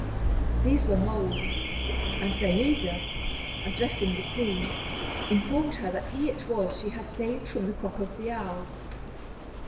These were moles, and their leader, addressing the queen, informed her that he it was she had saved from the crop of the owl.